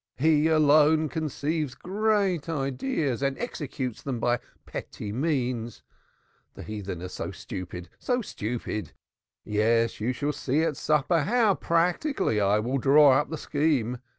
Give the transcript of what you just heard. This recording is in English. He alone conceives great ideas and executes them by petty means. The heathen are so stupid, so stupid! Yes, you shall see at supper how practically I will draw up the scheme.